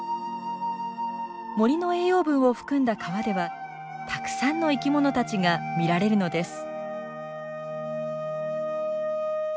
森の栄養分を含んだ川ではたくさんの生き物たちが見られるのです。